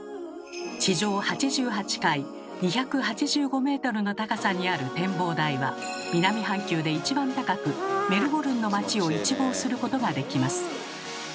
地上８８階２８５メートルの高さにある展望台は南半球で一番高くメルボルンの街を一望することができます。